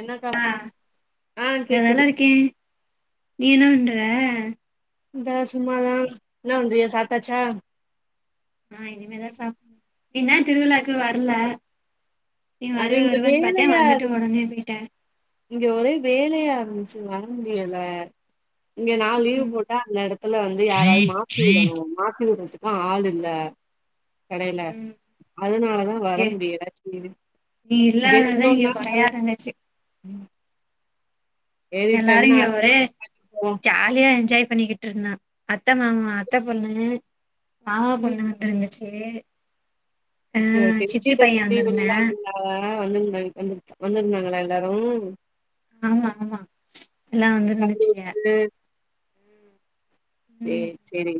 என்னக்கா ஆ இங்கதால கேக்குது இருக்கே நீ என்ன பண்ற இந்தா சும்மாதா என்ன பண்றீக சாப்டாச்சா ஆ இனிமேதா சாப்பினு என்னாச்சு திருவிழாக்கு வர்ல அது இங்க வேலயா இரு ஒடனே போயிட்ட இங்க ஒரே வேலயா இரு சேர் வர முடியல இங்க நா லீவ் ம் போட்டா அந்த எடத்துல வந்து யாராவது மாத்தி விடணு மாத்தி விடறதுக்கு ஆ ஆள் இல்ல கடைல ம் அதனாலதா வர இங்க முடியல நீ இல்லாததா இங்க கொறயா இருந்துச்சு ம் எல்லாரு இங்க ஒரே வருஷோ போவோ ஜாலியா என்ஜாய் பண்ணிக்கிட்டு இருந்த அத்த மாமா அத்த பொண்ணு மாமா பொண்ணு வந்திருந்துச்சு சேரி ஒகே ஓகே விஜியதசமி வுல்லாக்துங்க ஆ வந்திருந்தாங்க வந்திரு வந்திருந்தாங்களா எல்லாரு ஆமா ஆமா எல்லா வந்து இருந்துச்சிங்க சந்தோஷு சேர் சேரி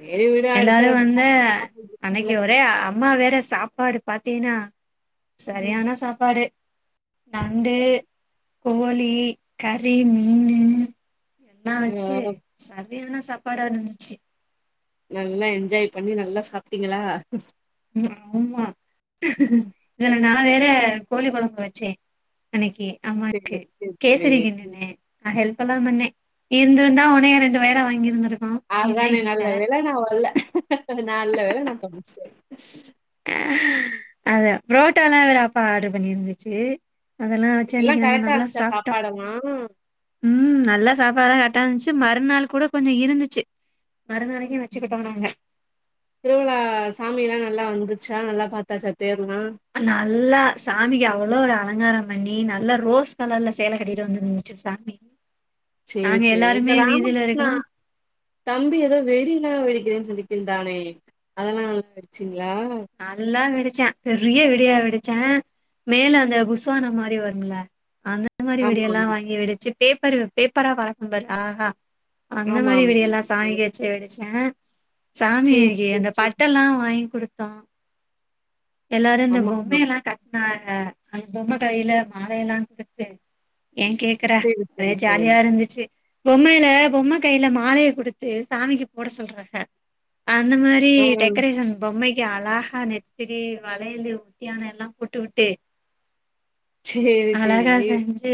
சேரி விடு அடுத்த எல்லாரு வருஷோ வந்து பாத்துக்கலா ஒன்னு பிரச்சன இல்ல அன்னைக்கு ஒரே ஆ அம்மா வேற சாப்பாடு பாத்தீன்னா ம் சரியான சாப்பாடு நண்டு கோழி கறி மீனு எல்லா வச்சு ஆ சரியான சாப்பாடா இருந்துச்சு நல்லா என்ஜாய் பண்ணி நல்லா சாப்ட்டீங்களா ஆமா இதுல நா வேற கோழி கொழம்பு வச்சே அன்னைக்கி அம்மாக்கு சேரி சேரி சேரி கேசரி ம் கிண்டுனே நா ஹெல்ப் பெல்லா பண்ணே இருந்துருந்தா ஒன்னையு ரெண்டு வேல வாங்கிருந்திருப் அதானே நல்ல வேல நா வர்ல நல்ல வேல நா தப்புச்ச அதா ப்ரோட்டாலா வேற அப்பா ஆர்டர் பண்ணிர்ந்துச்சு அதல்லா வச்சு எல்லா அன்னைக்கு நாங்க கரெக்டா நல்லா இருந்துச்சா சாப்ட்டோ சாப்பாடெல்லா? ம் நல்லா சாப்பாடா கரெட்டா இருன்ச்சு மறுநாள் கூட கொஞ்சொ இருந்துச்சு மறுநாளைக்கு வச்சுக்கிட்டோ நாங்க திருவிழா சாமிலா நல்லா வந்துச்சா நல்லா பாத்தாச்சா தேர் நல்லா சாமிக்கு அவ்ளோ அலங்காரம் பண்ணி நல்ல ரோஸ் கலர்ல சேல கட்டிட்டு வந்திருந்துச்சு சாமி சேரி நாங்க சேரி இந்த எல்லாருமே வீதியில ராமகிருஷ்ணா இருக்கமா தம்பி எதோ வெடி லா வெடிக்றேன் சொல்லிக்கின்ந்தானே அதலா நல்லா வெடிச்சீ அதுலா வெடிச் ச்ச பெரிய வெடியா வெடிச்சன் மேல அந்த புஸ்வானம் மாரி வரும்ல அந்த ந்த மாரி வெடி ஆமா எல்லா வாங்கி வெடுச்சு பேப்பரு பேப்பரா பறக்கும் பாரு அலஹா அந்த ஆமா ஆமா மாரி ஆமா வெடிய எல்லா ஆமா சாமிக்கு வெச்சு வெடிச்ச சேரி சாமிக்கு சேரி அந்த சேரி பட்டல்லா வாங்கி குடுத்தோ எல்லாரு இந்த ஆமா ஆமா பொம்மைையல்லா கட்னாஹ அந்த பொம்ம கைல மாலயெல்லா குடுத்து ஏன் கேக்குற சேரி ஒரே சேரி சேரி ஜாலியா இருந்துச்சு பொம்மைல பொம்ம கைல மாலய குடுத்து சாமிக்கு போட சொல்றாஹ அந்த மாரி ஆ டெக்கரேஷன் பொம்மைக்கு அழாஹா நெத் சரி வளையலு ஒட்டியானோ எல்லா போட்டு விட்டு சேரி அழகா சேரி செஞ்சு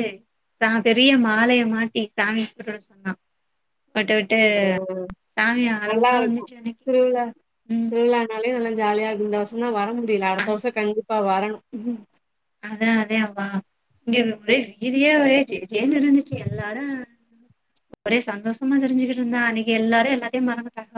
சா பெரிய மாலய மாட்டி சாமிக்கு போட்டு விட சொன்னா போட்டுவிட்டு ம். சாமிய நல்லா அளவுல இருக்கு வந்துச் அன்னைக் திருவிழா திருவிழானாலே நல்லா ஜாலியா இருக்கு இந்த வருஷந்தா வர முடில அ அடுத்த வருஷ கண்டிப்பா வரணு அதா அதே ஆமா இங்க ஒரே வீதியே ஒரே ஜேஜேன்னு இருந்துச்சு எல்லாரு ஒரே சந்தோஷமா திரிஞ்சுக்கிட்டிருந்தாங்க அன்னைக்கு எல்லாரு எல்லாத்தயு மறந்துடாங்க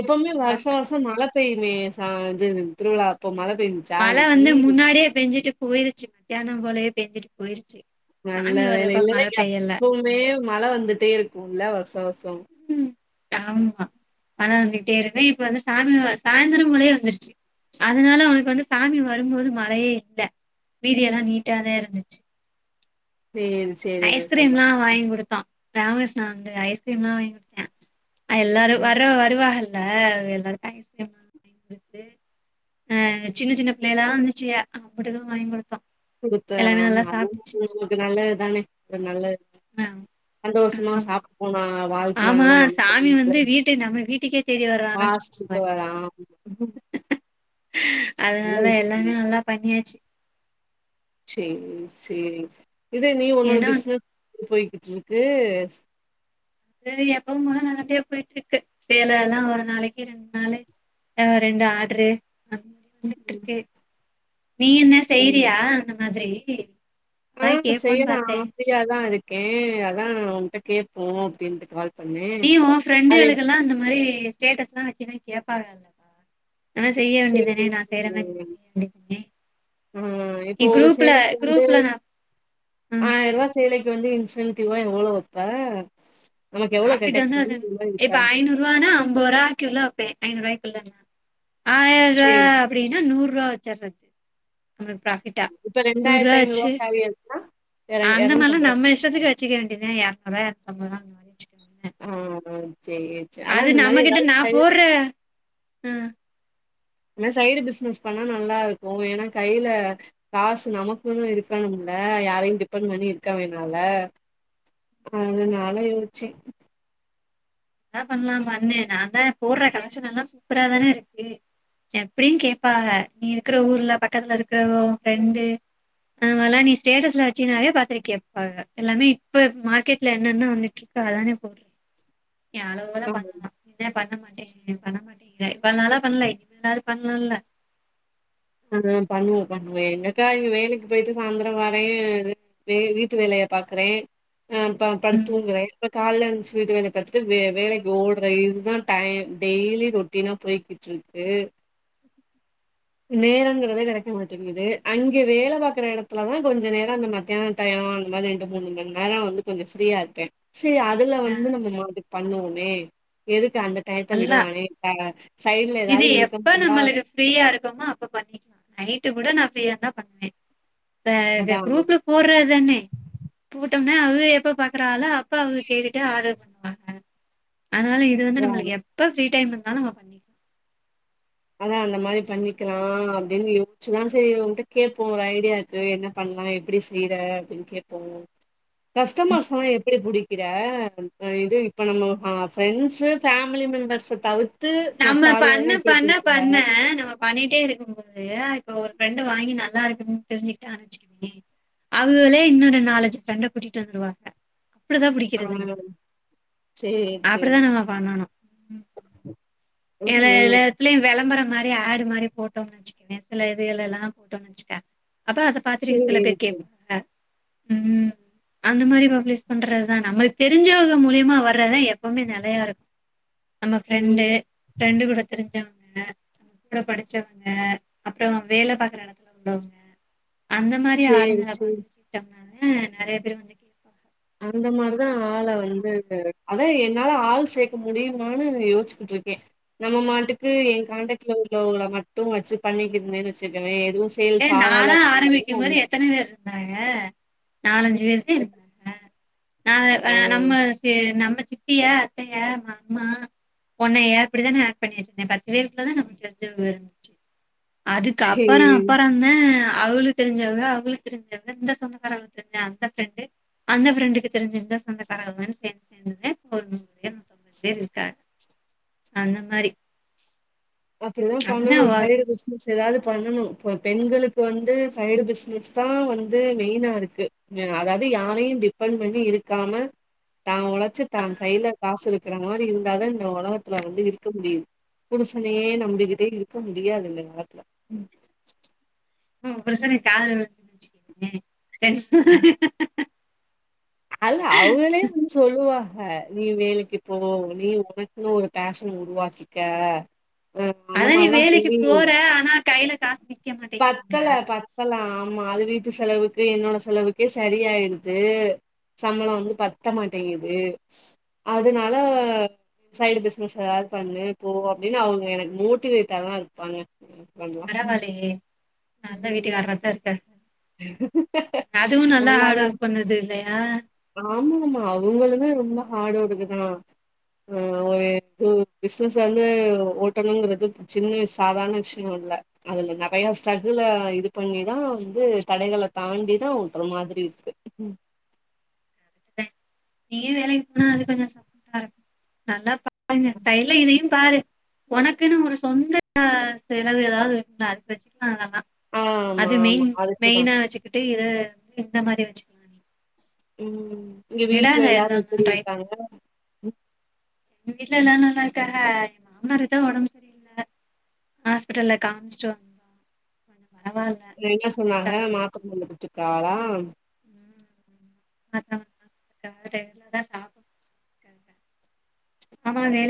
எப்பவுமே வருஷா வருஷோ மழ பெய்யுமே ச இது திருவிழா அப்போ மழ பெய்ஞ்சுச்சா மழ அன்னைக்கி வந்து முன்னாடியே பெஞ்சிட்டு போயிருச்சு மத்யானம்போலயே பெஞ்சிட்டு போயிருச்சு நல்ல சாமி வேல வர்றப்ப இல்ல மழ பெய்யல எப்பவுமே மழ வந்துட்டே இருக்குல்ல வருஷா வருஷ் ம் ஆமா மழ வந்துட்டே இருக்கு இப்ப வந்து சாமி சாயிந்திரம் போலயே வந்துருச்சு அதனால உனக்கு வந்து சாமி வரும்போது மழையே இல்ல வீதியெல்லா நீட்டாதே இருந்துச் சேரி சேரி ஐஸ்கிரீம்லா சந்தோஷங்க வாங்கி குடுத்தோ ராமஸ் நா அங்க ஐஸ்கிரீம்லா வாங்கி குடுத்தே எல்லாரு வர வருவாஹல்ல ல எல்லாருக்கு [unintelligible] ஆஹ் சின்ன சின்ன பிள்ளைலா வந்துச்சுக அப்புடுதா வாங்கி குடுத்தோ குடுத்த எல்லாமே ஆமா நல்லா சாப்ட்டுச்சு அதுவு [inaudible] நல்லதுதான ஒரு நல்ல ஆ சந்தோஷ்மா ஆமா சாப்ட்டு போனா ஆமா, வாழ்த்துனாங்கனா சாமி நமக்கு வந்து வீட்டு நம்ம வீட்டுக்கே தேடி [inaudible] வருவானா சும்மாவா வாசக்கு இருக்குது. வரா ஆ அதனால எல்லாமே நல்லா பண்ணியாச்சு சேரி செரி இது நீ உன்னோட ஏன்னா பிஸ்னஸ் போய்கிட்ருக்கு அது எப்பவும்போல நல்லபடியா போய்ட்ருக்கு சேலலா ஒரு நாளைக்கு ரெண்டு நாளை ஆஹ் ரெண்டு ஆட்ரு ம் வந்துட்ருக்கு நீ என்ன செய்றியா அந்த மாதிரி அதான் ஆஹ் கேட்போன்னு செய்யதா பாத்தேன். ஆசயாதா இருக்கே அதா உங்கிட்ட கேப்போ அப்டின்ட்டு கால் பண்ணே நீ ஓ அது ஃப்ரெண்டுகளுகெல்லா அந்த மாரி ஸ்டேட்டஸ்லா வெச்சின்னா கேப்பாகல்லெல்லா ஆஹ் செய்ய சேரி வேண்டியதானே நா செய்ற மாரி செய்ய வேண்டிதானே ம் இப்போ ஒரு சேலைக்கு வந்து நான் ம். ஆயருவா சேலைக் கு வந்து இன்சென்டிவா எவ்வளோ வெப்ப ஹாஸ்பிடல்ணா இப்ப ஐநூரூவானா அம்பூருவா கிலோ வெப்பே ஐநூறுவாய்குள்ளனா ஆயருவா சேரி அப்படினா நூறு றுவா வெச்சர்றது நம்மளுக்கு பிராஃபிட்டா இப்ப ரெண்டாயிரத்தி நூறுவா ஐநூறுவா வச்சு சாரி எடுத்தா எர அந்த மாரிலா எரநூத்தம்பது ரூவா நம்ம இஷ்டத்துக்கு வச்சுக்க வேண்டியதே எறநூறுவா எறநூத்தம்பூரூவா அந்த மாரி வச்சுக்க வேண்டியது. ஆஹ் ஆஹ் சேரி சேரி ஆனா அது இந்த மாரி நம்மகிட்ட எதாவது நா செய் போட்ற ஆ சைடு பிஸ்னஸ் பண்ணா நல்லா இருக்கு ஏனா கைல காசு நமக்குன்னு இருக்கனும்ல ல யாரையு டிபண்ட் பண்ணி இருக்க வேணால அது நால யோச்சே அதா பண்லா வந்த நா தா போடுற கலக்ஷன் எல்லா சூப்பறாதான இருக்கு எப்படியு கேப்பாஹ நீ இருக்குற ஊர்ல பக்கத்துல இருக்குற உன் ஃப்ரெண்டு ஆவல்லா நீ ஸ்டேட்டஸ்ல வெச்சினாவே பாத்திடு கேட்பாங்க எல்லாமே இப்ப மார்க்கெட்ல என்னன்ன வந்துட்டுருக் இப்ப அதானே போடுற என் அளவுல பண்ணலா [inaudible] பண்ண மாட்டே பண்ண மாட்டேங்குற இப்ப நாலா பண்ணல இப்ப [unintelligible] பண்லாம்ல அஹ் பண்ணுவோ பண்ணுவோ எங்கக்கா இங்க வேலைக்கு போயிட்டு சாந்தரம் வர ஏ வே வீட்டு வேல பாக்குறே அ ப படுத் ம் தூங்குற இப்ப கால்ல என்ச்சு வீட்டு வேல பாத்துட்டு வே வேலைக்கு ஓடுற இதுதா டயோ டெய்லி ரொட்டீனா போய்கிட்ருக்கு நேரங்கிறதே கெடைக்க மாட்டேங்குது அங்கே வேல பாக்குற எடத்துலதா கொஞ்ச நேரோ அந்த மத்யானோ டயோ ஓ அந்த மாரி ரெண்டு மூணு மண் நேரோ வந்து கொஞ்சோ ஃப்ரீயா இருப்ப சே அதுல ஆ வந்து நம்ம [unintelligible] பண்ணுவோமே எதுக் கு அந்த டயத்த நல்லா விடுவானே [inaudible] சைட்ல இது எதாவது இன்கம் எப்ப வந்தா நம்மளுக்கு [unintelligible] அப்ப பண்ணிக்லா நைட்டு கூட நா ஃப்ரீயா தா பண்ணுவ அதான் குரூப்ல போடுற தான போட்டோம்னா அது எப்ப பா இருக்க அப்ப அவங்க கேட்டுட்டு ஆர்டர் பண்ணுவாங்க அதனால இது வந்து அதான் நம்மளுக்கு எப்ப ஃப்ரீ டைம் இருந்தா நம் ம பண்ணிக்கலா அத அந்த மாரி பண்ணிக்கலா அப்படின்னு யோசிச்சுதா செரி உன்கிட்ட கேட்போ ஒரு ஐடியா இருக்கு என்ன பண்ண எல்லா எப்படி செய்ற அப்படின்னு கேப்போ கஸ்டமர்ஸ் லா எப்படி புடிக்கு இருக்க இது இப்ப நம்ம ஃப்ரெண்ட்ஸ் ஃபேமிலி மெம்பர்ஸ தவிர் த்து நம்ம மத்த ஆளுக பண்ண எல்லா எப்படி பண்ண பிடி பண்ண நம்ம பண்ணிட்டே இரு க்கும்பது இப்ப ஒரு ஃப்ரெண்ட வாங்கி நல்லா இருக்குனு தெரிஞ்சிட்டே அனுச்சிக்கே அவகலே இன்னொரு நாலஞ்சு ஃப்ரெண்ட கூட்டிட்டு வந்துருவாங்க அப்படிதா ஆ புடிக்கிறது நம்ம சேரி அப்படித்தா சேரி நம்ம பண்ணணு ம் எனி ம் எல்லத்துலயு விளம்பரம் மாரி ஆடு மாரி போட்டோம்னு வச்சுக்கேங்கன் சில இதுகள் எல்லல்லா போட்டோம்னு வச்சுக்கே அப்ப அத பாத்துட்டுக்கு சில சேரி பேர் சேரி கேப்பாங்க உம் அந்த மாரி பப்ளிஷ் பண்றது தா நம்மளுக்கு தெரிஞ்சவக மூலியமா வர்றதுதா எப்பவுமே நெலையா இருக்கு நம்ம ஃப்ரெண்டு ம் ஃப்ரெண்டு கூட தெரிஞ்சவங்க கூட படிச்சவங்க அப்றோ வேல பாக்குற இடத்துல உள்ளவங்க அந்த மாரி சேரி ஆளுங்கள சேரி பாத்து வச்சிட்டோம்னால நெறைய பேர் வந்து கேட்பாங்க அந்த மாரிதா ஆள வந்து அதா என்னால ஆள் சேக்க முடியுமான்னு யோச்சிக்கட்டு இரு நம்ம மாட்டுக்கு என் கான்டக்ட்ல உள்ளவக மட்டு வச்சு பண்ணிக்கன்னு வச்சிக எதுவு ஏ சேல்ஸ் ஆகல நானா பண்ணலன்னா ஆரம்பிக்கு போது ஒன்னுதா எத்தன பேர் இருந்தா ங்கா நாலஞ்சு பேரு இருந்தாங்க நா ஆ நம்ம நம்ம சித்தியா அத்தையா மாமா உண்ணைய ஏ அப்படிதான ஆட் பண்ணியாச்சிருந்த பத்து பேருக்குள்ளதா நமக்கு தெரிஞ்சவங்க இருந்துச்சு அதுக்கு அப்பறோ சேரி ஆஹ் அவளுக்கு தெரிஞ்சவங்க அவளுக்கு தெரிஞ்சவுங்க இந்தந்த சொந்தக்கார அவளுக்கு தெரிஞ்சா அந்த ஃப்ரெண்டு அந்த ஃப்ரெண்டுக்கு தெரிஞ்சிருந்த சொந்தக்காரக சேந்து சேந்து பேர் இருக்க அந்த மாரி அப்படிதா அப்டிதா பண்ணணு வரு சைடு பிஸ்னஸ் எதாது பண்ணணு இப்ப பெண்களுக்கு வந்து சைடு பிஸ்னஸ் தா வந்து மெயினா இருக்கு அதாவது யாரையு டிபண்ட் பண்ணி இருக்காம தான் உழைச்சு ஆ தான் கையில காசு இருக்கிற மாதிரி இருந்தாதான் இந்த உலகத்துல வந்து இருக்க முடியும் புடிசனையே நம்ட கிட்டே இருக்க முடியாது இந்த நேரத்துல பிரசனை காதச்சுக்க அல்ல அவங்களே ஒ சொல்லுவா ஆஹ நீ வேலைக்கு போ நீ உனக்குன்னு ஒரு பேஷன் உருவாக்கிக்க அஹ் அந்த அதான் நீ மாதிரல்லாம் வேலைக்கு சொல்லி போற ஆனா கையில காசு நிக்க மாட்டேங்குதுங்கிற பத்தல பத்தலாம் ஆமா அது வீட்டு செலவுக்கு என்னோட செலவுக்கே சரியாயிடுது சம்பளம் வந்து பத்த மாட்டேங்குது அதனால சைடு பிசினஸ் ஏதாவது பண்ணு போ அப்படின்னு அவங்க எனக்கு மோட்டிவேட்டாதான் இருப்பாங்க சொல்ல நல்லா வீட்டுக்கார தான் இருக்கே அதுவும் நல்லா ஹார்ட் ஒர்க் பண்ணது இல்லையா ஆமா ஆமா அவங்கதான் ரொம்ப ஹார்டோடுதுதான் ஆஹ ஒரு இ பிசினஸ் வந்து ஓட்டணுங்கிறது சின்ன சாதாரண விஷயம் வ அதுல நிறைய ஸ்ட்ரகுள இது பண்ணிதான் வந்து கடைகளை தாண்டிதான் உடுற மாதிரி இருக்கு நீயும் வேலைக்கு போனா அது கொஞ்சம் சப்போர்டா இருக்கும் நல்லா பாருங்க சைல இனையும் பாரு உனக்குன்னு ஒரு சொந்த செலவு ஏதாவது இருந்தா அது பிரச்சிக்கல அதல்லாம் ஆமா, அது ஆமா. மெயின் அதுக்கு தான். மெயினா வச்சுக்கிட்டு இத வ இந்த மாதிரி வச்சுக்கலாம் நீ உம் இங்க விடாத வீட்டுல எல்லாரும் எதுதான் எப்படி ட்ரை பண்ணு இருக்காங்க எங்க வீட்டு்ல எல்லன்னும் எல்லா இருக்கா என் மாமனார் எதோ உடம்பு சரியல்ல ஹாஸ்பிடல்ல காமிச்ச்டு வந்த என்ன சொன்னாங்க மாத்த மாந்து போட்டுருக்களா உம்க்கலதான் சாப்பிடக்க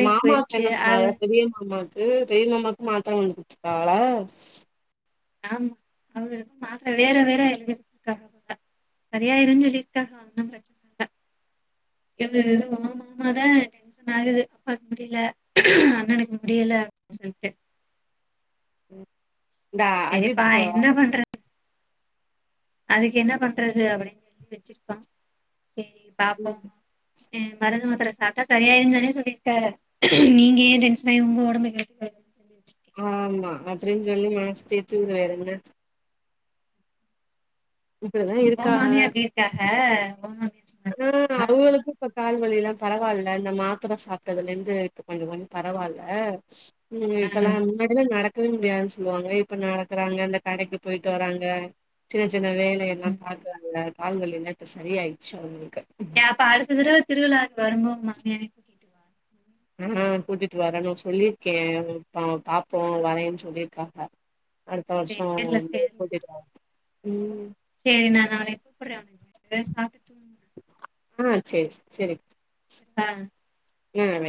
மாமாக்க என்ன சொன்ன பெரிய மாமா பெரியம்மாமக்கு மாத்தறை வந்துச்சுக்கவல ஆமா மாத்த வேற வேற எழுதி இருத்துக்க சரியா இருன்னு சொல்லிருக்காக ஒன்னும் பிரச்சனைல எ இது ஆ மாமா தான் டென்ஷன் ஆகுது அப்பாக்கு முடியல அண்ணனுக்கு முடியல இல்லனு சொல்ல டான் அஜித் சரிப்பா ச என்ன பண்றது அதுக்கு என்ன பண்றது அப்படின்னு சொல்லி வச்சிருக்கோம் சரி ம். பா்போம் ஹ் மருந்து மாத்திர சாப்பிட்டா சரியாிருந்தானே சொல்லியிருக்காரு நீங்க ஏன் டென்ஷன் ஆகி உங்க உடம்பு கேட்டு சொல்ல ஆமா அப்படின்னு சொல்லி மனச தேதிவிடு வேறென்ன இப்டிதா ஓ மாமியார் அப்படி இருகாங்க ஓமானிய ஆஹ் அவுங்களுக்கும் கால்வியெல்லாம் பரவாயில்ல இந்த மாத்திரை சாப்பிட்டறதுலேருந்து இப்போ கொஞ்சம் கொஞ்சம் பரவாயில்ல உம் ஆ இத்தலாம் நாட டியான்னு சொல்லுவாங்க இப்ப நடக்கறாங்க இந்த கடைக்கு போயிட்டு வராங்க சில சன வேலையெல்லாம் ம் பார்க்குறாங்க கால்வலிலா என்னத்த சரிய ஆயிடுச்சு அவங்களுக்கு ஏ அப்ப அடுத்த தடவை திருவிழாை வரும்போ மாமியாரையும் கூட்டிட்டுவாங்க ஆஹ் கூட்டிட்டு வரணும் சொல்லியிருக்கேன் பார்ப்போம் வரேன்னு சொல்லியிருக்காங்க அடுத்த சேர்ல வருஷம் புதிட்டு உ சரி நான் நான் [unintelligible] உக்கு ரெண்டு பே சாப்பிட்டு தூண ஆஹ் சேரி சேரி ஆஹ் ந